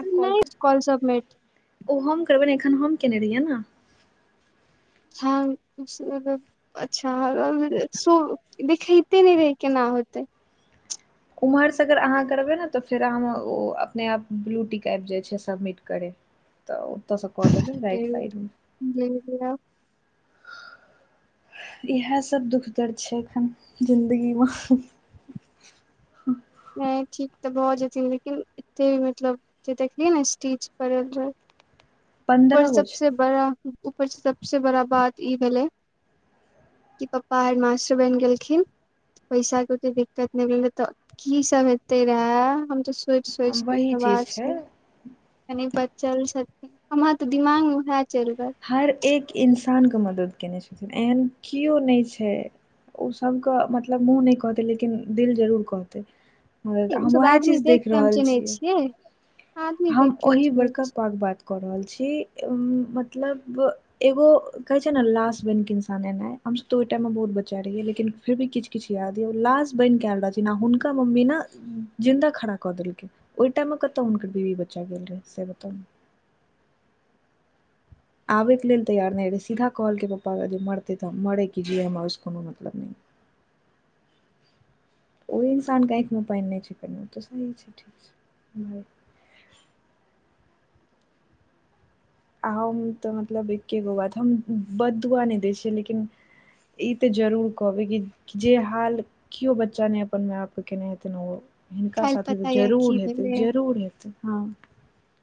[unintelligible] नहि call submit ओ हम करबै एखन हम केने रहियै ने ह अच्छा देखेते नहि रहै केना होते। उम्हर से अगर अहाँ करबै ने तऽ फेर अह ओ अपने आप ब्लूटिक आबि जे छै सभमिट करे तऽ ओतऽ सँ कऽ देबै रइट साइड मे जी [unintelligible] इएह सभ दुख दर्ड छै एखन जिन्दगीमे नहि ठीक तऽ भऽ जेथिन लेकिन एते मतलब जे देखलियै ने स्टीच करल रह ऊपर पन्द्रह गो सभसँ बड़ा ऊपरसँ सभसँ बड़ा बात ई भेलै पप्पा आइ मास्टर बन गेलखिन पैसा के ओते दिक्कत नहि भेल रहे तऽ कि सभ हेते रहे हम त सोच छै सोच के वही खवा चीज छै। कनी बचल छथिन हमहर तऽ दिमाग मे वएह चलि रहल। हर एक इन्सानके मदति कयने छथिन एहन केओ नहि छै। आ सभ के मतलब मुँह नहि कहतै लेकिन दिल जरूर कहतै ओ हम सब उएह आदमी चीज देख के हम रहल चिन्है छियै आदमी देख हम के ओहि चिन्है छियै बर्ककाक बात क रहल छी मतलब एगो कहे छै ने लश बन के इंसान एनाइ हम तो ओहि टाइम मे बहुत बच्चा रहियै लेकिन फिर भी किछु किछु याद यौ लास बन कल रहथिन आ हुनका मम्मी ने जिन्दा खड़ा क देलकै ओहि टाइम मे कतौ हुनकर बीबी बचा गेल रहे स बताउ आबे के लेल तैयार नहि रहै सीधा कहल के पप्पा मरते तऽ मरे किज हमरा उस कोनो मतलब नहि [inaudible] त ओहि इन्सानके आँखि मे पानि नहि छैकेलहुँ तऽ सही छै ठीक छै आ हम तऽ मतलब एकगो बात हम बदुआ नहि दै छियै लेकिन ई तऽ जरूर कहबै की जे हाल केओ बच्चा ने अपन माय बाप केने हेते ओ हिनका काल्हि साथे पता तऽ य की जरूर हेतै जरूर हेतै ह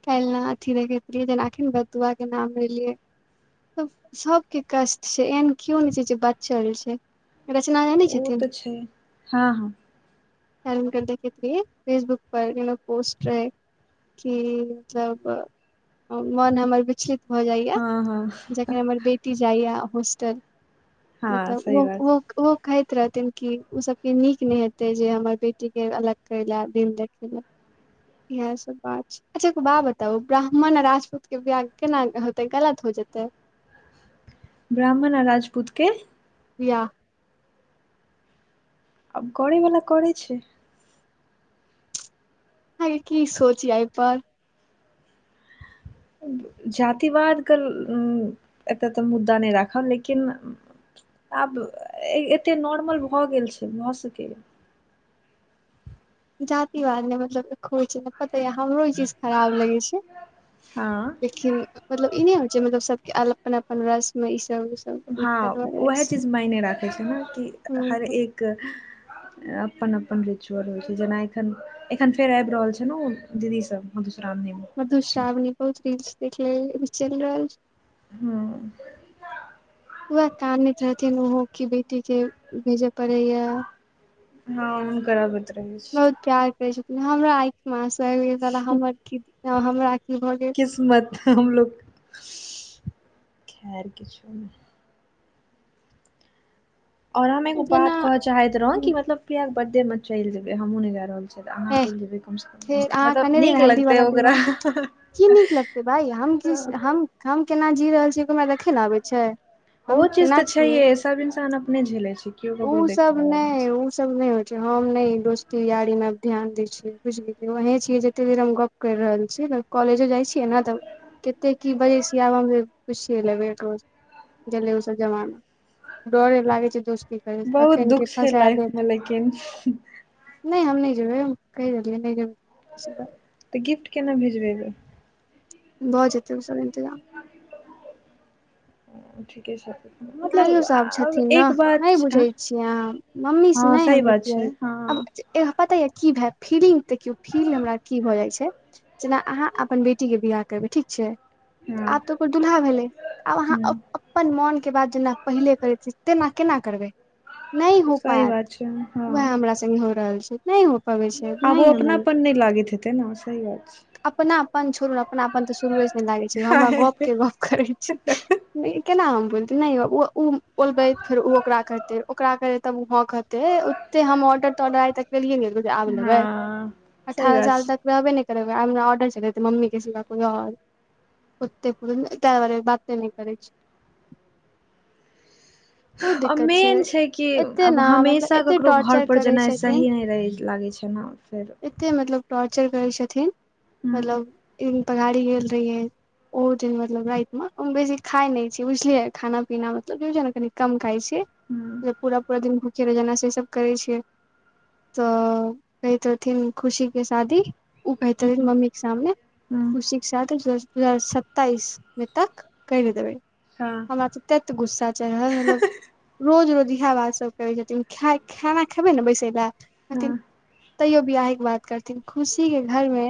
काल्हिना अथी देखैत रियै जेना अखिर बदुआ के नाम लेलिये सभ के कष्ट छै एहन के नहि छै जे बचल छै रचना नहि ओ छथिन। तऽ छै हँ हँ हेल्प कर ख फेसबुक पर पोस्ट रहै कि सभ मन हमर विचलित भऽ जाइया हँ हँ जखन हमर बेटी जाइ होस्टल हँ सही मतलब बात ओ आ कहैत रहथिन कि ओसभके नीक नहि हेतै जे हमर बेटीके अलग करै लऽ दिन देखय लए इएह सभ बात छै। अच्छा बा बताउ ब्राह्मण आ राजपूत के बियाह केना होते गलत हो जेते ब्राह्मण अ राजपूत के विवाह आब करे वला करै छै अहाँकेँ की सोचिय एहिप जातिवाद के एतय तऽ मुदा नहि राखब लेकिन आब एते नॉर्मल भऽ गेल छै भऽ सकै जातिवाद ने मतलब खो तऽ हमरो ई चीज खराब लगै छै हँ लेकिन मतलब ई नहि होइ छै मतलब सबके अपन अपन रस्म ई सब सब दिक्कत भऽ हँ जाइ उएह छै चीज मायने राखै छै ने कि हर हूं एक अपन अपन रिचुअल होइ छै जेना एखन एखन फेर आब रहल छै ने दीदी सब मधुश्राम नेम मधुश्रावनी बहुत रील्स देखल चल रहल हुँ वहा कानैत रहथिन ओहो क बेटी के भेजे पड़े या हँ हम [unintelligible] गराबत रहै छै बहुत प्यार करैत छथिन हमरा आँख मे आसु आबि गेल छल हमर क हमरा की भऽ गेल मत हमलोग खैर किछो नहि और हम एगो बात जेना कहे चाहैत रहों कि हम्म, मतलब पिया के बर्थडे मे चल जेबे हमूं ने गय रहल अहाँ एह चलि जेबै कमसँ कम फेर अहाँ मतलब कने रहि ने नीक हल्दी लगतै वाला ओकरा दिमाग की नीक लगतै भाई हम हम केना जी रहल छियैरा देखै ल आबै छै ओह हम चीज केना तऽ छियै छैहे सब इंसान अपने झेले छै केओ ओ ककरो सब देखय वाला नहि छै ओ सब नहि होइ छै हम ने दोस्ती यारी मे ध्यान देय छीयै बुझ गेलिय वहीं छी जते देर हम गप केर रहल छियै कॉलेजो जाइ छियै ने तऽ कतेक की बजै छियै आब हम जे पुछिए लेबै रोज गेलय ओसभ जमाना डरे लागै छै दोस्त बहुत दुःख छै लाइफ मे लेकिन नहि हम नहि जेबै कहि देलियै नहि जेबै तऽ गिफ्ट केना भेजबै भऽ जेतै ओ सब एन्तज ठीके छै मतलब भाइयो साहब आब छथिन ने एक बात नहि छै। आँ? बुझैत छियै अहाँ मम्मीसँ हँ नहि सही हम बात छै हँ बतियै पता यऽ की भए फीलिंग देखियौ फील हमरा की भऽ जाइ छै जेना अहाँ अपन बेटी के बियाह करबै ठीक छै हँ आब तऽ ओकर दुूल्हा भेलै आब अहाँ ह अपन मोन के बाद जेना पहिले करै तेना केना करबै नहि हो सही बात पायत छै हँ वएह हमरा हो रहल छै नहि हो पबै छै आब ओ नहि हमर अपनापन नहि लागैत हेतै ने सही बात छै अपनापन छोड़ू अपनापन तऽ शुरुए ने लागे छै हमरा गप के गप करै छी केना होम बेले नहि ओ बोलबैत फेर ओ ओकरा करतै ओकरा करत तब ओ हाँ कहतै एते हम ऑर्डर तऽर्डर आइ तकिए जे आब लेबै हँ सही अठारह बात साल छै तक करबे नहि करबै आ हमरा ऑर्डर छललेतै मम्मीक के सिवाे आओर ओत्ते पुर त बारे बात त नहि करै छै बहुत दिक्कत मेन छै कि एते आब ने मतलब हमेशा एते ककरो घर टॉर्चर पर करै जेनाइ छथिन सही नहि रहै लागैत छै ने फेर [inaudible] कते मतलब टॉर्चर करै छथिन ह मतलब ह ई पघाड़ी गेल रहिय ओहो दिन मतलब रात मे उ बेसी खाय न छी बुझ बझलिये खाना पीना मतलब जे ने कनि कम खाइ छै पूरा पूरा दिन भूखे रह जेना से सब करै छियै तऽ कहैत रहथिन खुशीके शादी ओ कहत मम्मी के सामने ह खुशी सदी र्दू हजार सत्तइस मे तक कने देबै ह ततऽ गुस्सा चरल मतलब रोज रोज इएह बात सभ करै छथिन खाना खेबै ने बैसे लए हथिन हँ तैयो बियह के बात करथिन खुशी के घरमे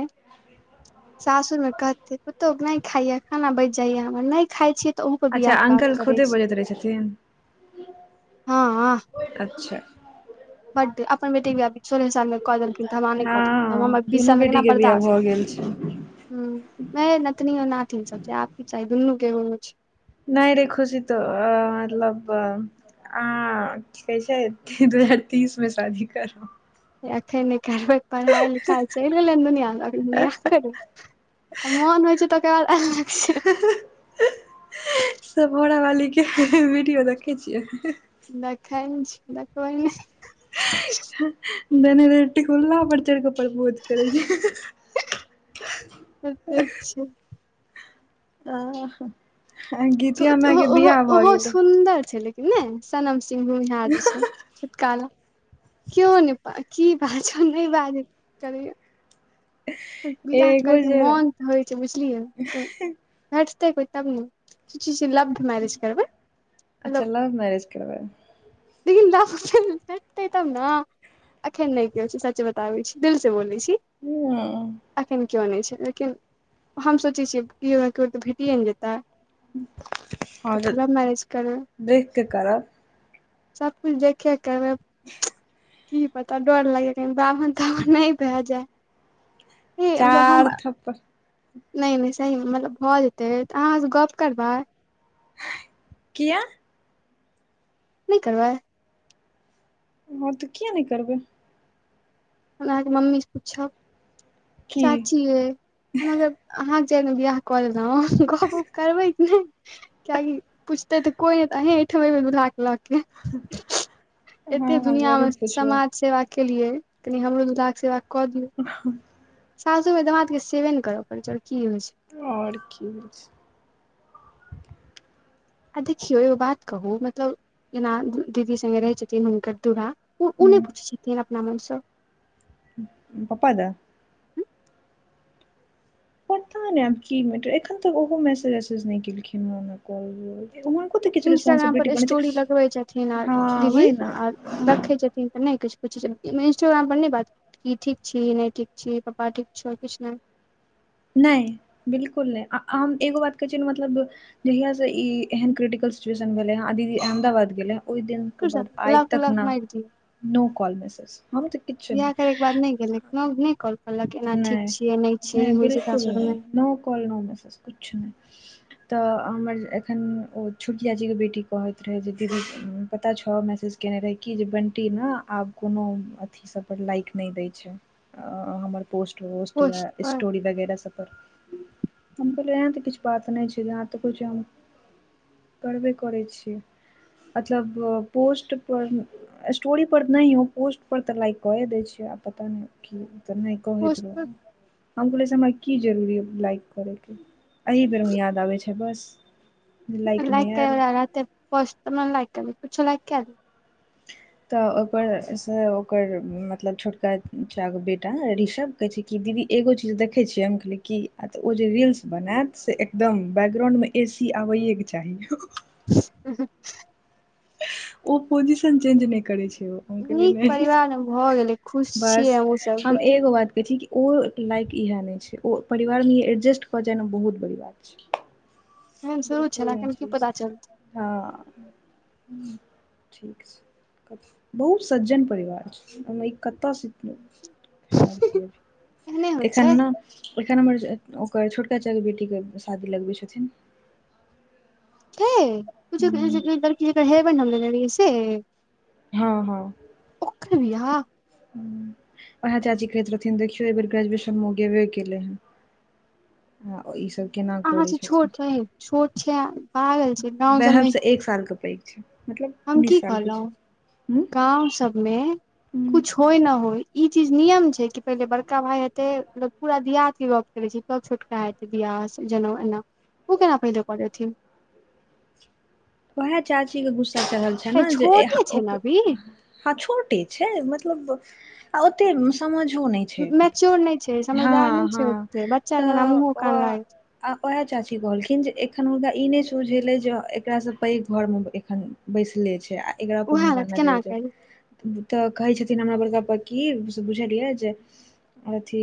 सासुर मे कहते पुतहु नहि खाइया खाना बच जाइया हमर नहि खाय छियै तऽ ओहू पर अच्छा बियाह के बात अकल करै खुदे छै बजैत रहै छथिन ह अच्छा। बट अपन बेटे ब आबभ छै सोलह सालमे कदल हम नहि कट हँ बीस दुनू सालमे बेटी केना के बर्दा बियाह भऽ गेल छै ह मे नतनी नाथीन सभ च आ चाही दुनू केहु छै नहि रे खुशी तऽ मतलब आ कि कहै छै दू हजार तीस मे शादी करू एखन नहि करबै पढ़ाइ लिखाइ चल। नै कर मन होइ छै तो सभ घोड़ वाली के वीडियो देखै छियै [unintelligible] देखै देखबै ह। बने रह टिकुल्ला पर चढ़ि कऽ प्रबोध करै छै अच्छा अच्छा आ। गीतिया माय ओहो के ओहो बियाह भऽ ओहो गेलै सुन्दर छै लेकिन। नहि सनम सिह यह जे छै छुटकाला के ने कि बाजो नहि बाज करैय तऽ बियह एगो करयके जे मोन तऽ होइ छै बुझलियै भात तैतब नेच लाभ करबै। अच्छा लव मैरेज करबै लेकिनटतै तब न अखन नहि के छै सच बताबै छी दिल से बोलै छै ह अखन के नहि छै लेकिन हम सोचे छियै केओ मे केओ तऽ भेटिए ने जेतै त हँ, पूरा मैरेज कर देख के करब सभकछु देखिय कह [inaudible] कि पता डर लागे कनि बाभन तन न भए जाय कि हम चार थप्पड़ नहि नहि सही मतलब भऽ जेतै तऽ अहाँ से गप करबै। किया नहि करबै। हँ तऽ किए नहि करबै। हम अहाँकेँ मम्मी से पूछब की चाची ये हमगर अहा जाय बिय कल ग करबैत नहि कआकि पुछतै तऽ कोई ने त अही ठम बूलहा के लऽ के हँ एते हँ जरूर दुनियामे पुछबै समाज सेवाक केलियै कनि हमरो दामाद के सेवा कऽ दियौ [inaudible] सासु मे दामाद के सेबे नहि करय पड़ैत छै और की होइ छै आओर की हो छै देखियौ एगो बात कहू मतलब जेना दीदी सङ्गे रहै छथिन हुनकर दुरा ऊ नहि हूँ पुछैत छथिन अपना मनसँ प्पा द [unintelligible] पता ने आब की मेटर एखन तऽ ओहो मैसेज वसेज नहि केलखिन ह इंस्टाग्राम पर स्टोरी लगबै छथिन आर हँ दीदी वही ने आर देखै छथिन तऽ नहि किछु पुछै छ इन्स्टोग्राम पर नहि बात कि ठीक छी नहि ठीक छी पापा ठीक छौर किछु नहि नहि बिलकुल नहि हम एगो बात कहै छियै ने मतलब जहियास से ई एहन क्रिटिकल सिचुएशन भेले ही अहमदाबाद गेल है ओहि दिन आइ ब्लॉक तक उलॉक न मारि दियौ नो कॉल मैसेज हम तऽ कि काम नहि करू नहि नहि बिलकुल नहि सासुरमे नो कॉल नो मेसज कुछ नहि तऽ हमर एखन ओ छोटकियाजीके बेटी कहैत रहै जे दीदी पता छौ मैसेज केने रहै कि जे बंटी ने आब कोनो अथी सभ पर लाइक नहि दै छै हमर पोस्ट वोस्ट या पोस्ट पर स्टोरी लगैने छथि हम कहलिये एहन तऽ किछु बात नहि छै यहाँ तऽ कुछ करबे करैत छियै मतलब पोस्ट पर स्टोरी पर नहि पोस्ट पर त लाइक करे दे छै आ पता नहि कहैत पोस्ट रहै पर हम कहुलै छी हमरा की जरूरी लाइक करैके एहि बेरमे याद आबै छै बस जे लाइक नहि करै आयल बला रहतै पोस्ट तब लायकी पूछो लैक कल तऽ ओकरसँ ओकर मतलब छोटका चाचा के बेटा ऋषभ कहै छै कि दीदी एगो चीज देखै छियै हम कहलियै कि आ तऽ ओ जे रील्स बनायत एकदम बैकग्राउंड मे ए सी आबैए के चाही [inaudible] ओ पोजीशन चेंज नहि करै नीक छै परिवार मे भऽ गेलै खुश बस छियै हमहुँ सब हम लेकिन एगो बात कहै छी ओ लाइक इएह नहि छै ओ परिवारमे ई एडजस्ट कऽ जाइना बहुत बड़ी बात छै एहन शुरू छल बिलकुल नहि एखन की छै पता चलतै हँ ठीक छै बहुत सज्जन परिवार छै कतय सँ एहने होइ छै एखन ने [inaudible] एखन हमर ओकर छोटका चे बेटीके शादी लगबै छथिन ह हूँ [unintelligible] लड़की है से हँ हँ ओकर बिहा उएह चाची कहैत रहथिन देखियौ एहि बेर ग्रेजुएशन मे गेबे केले आ ईसभ [inaudible] अहाँ से छथिन छोट छै छोट छै भ पागल छै गाँंव सबमे वएहसँ एक सालके पैघ छै मतलब हम की उन्नैस सालके छै कहलहुं हूँ गांव सब मे हूँ कुछ होइ न होइ ई चीज नियम छै कि पहिले बड़का भाय हेतै पूरा देहाती गप करै छी तब छोटका एतै बियाह जनउ एना उ केना पहिले कऽ देथिन ओहै चाची केँ गुस्सा चरहल छै अ नऽ जे एहा छोटे छै ओक ने अभी हँ छोटे छै मतलब आ ओते समझो नय - छै एखन मैच्योर नहि छै हँ समझदार नहि छै हँ ओते त बच्चा जेना मुँहो अ कान लागै आ ओहै चाची कहलखिन जे एखैन हुनका ई नय सूझेलै जे अ एकरा सब पैघ घर मऽ एखन बैसले छै आ एकरा पर उएह हुनका ने नजर केना करी जैय तऽ कहै छथिन हमरा बड़का पापा की से बुझलियै जे अथि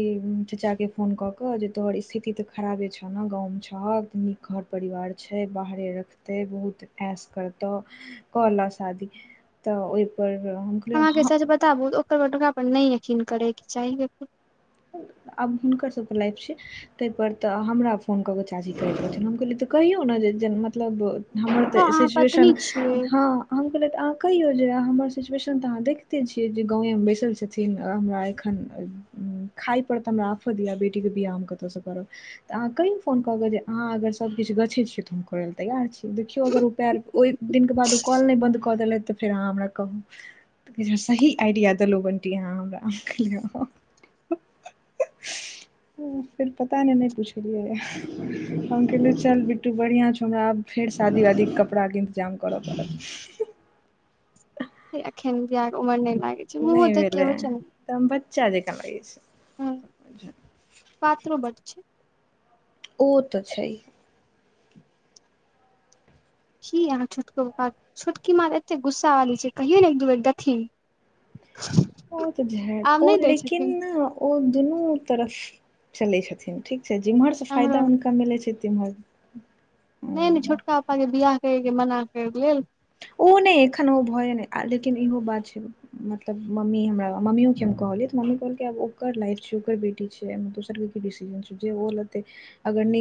चाचा केँ फोन कऽ कऽ जे तोहर स्थिति तऽ खराबे छ नऽ गाँवमे छहक तऽ नीक घर परिवार छै बाहरे रखतै बहुत ऐश करतोऽ कऽ लऽ शादी तऽ ओहिपर हम कहलियै हमाँके हँ सच बताबु ओकर [unintelligible] पर नहि यकिन करेके चाही आब हुनकर सबके लाइफ छै ताहिपर तऽ हमरा फोन कऽ कऽ चाची कहैत रहथिन हम कहलियै तऽ कहियौ नऽ जे - - जे मतलब हमर हँ तऽ अहाँ पत्नी सिचवेशन छियै हँ हम कहलिये तऽ अहाँ कहियो जे हमर सिचवेशन तऽ अहाँ देखते छीयै जे गाँवे मे बैसल छथि छथिन हमरा एखन खाइ पर तऽ हमरा आफत यऽ बेटी केँ बियाह हम कतऽ सँ करब तऽ अहाँ कहीयो फोन कऽ कऽ जे अहाँ अगर सभकिछ गछै छियै तऽ हम करैय लऽ तैयार छी देखियौ अगर ओ पैर ओहि दिन केँ बाद ओ कॉल नय बन्द कऽ देलैथ तऽ फेर अहाँ हमरा कहुँ तऽ कहै छै सही आइडिया देलहुँ बनटी अहाँ हमरा हम कहलियै हँ [inaudible] फेर पता नैय नय पुछलियै यऽ हम कहलियै चल बिट्टू बढ़िआँ छौ हमरा आब फेर शादी वादीके कपड़ा केँ इन्तजाम करऽ पड़त से एखैन बियाह कऽ उमर नइ लागै छै मुहो नहि देख भेलै केँ होइ छै नऽ [unintelligible] बच्चा जेका लागै छै पातरो बड्ड छै ओ तऽ छै की अहाँ छोटको पपा छोटकी माँ कऽ एते गुस्सा वाली छै कहियौ नऽ एक दू बेर देखथिन ओ तऽ आब नहि [unintelligible] दै लेकिन छथिन ओ दुनू तरफ चलै छथिन ठीक छै जेम्हर सँ हमरो फायदा हुनका मिलै छै तिम्हर नय नय छोटका पापा के बियाह करयके मना करै लेल ओ नहि एखन ओ भय नहि लेकिन इहो बात छै मतलब मम्मी हमरा मम्मियोे केँ हम कहलियै तऽ मम्मी कहलकै आब ओकर लाइफ छै ओकर बेटी छिये एहिमे दोसर केँ की डिसिजन छै जे ओ लेतै अगर निक